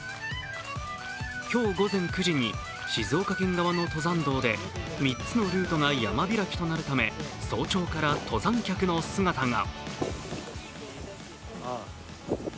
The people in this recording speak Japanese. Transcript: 今日午前９時に静岡県側の登山道で３つのルートが山開きとなるため早朝から登山客の姿が。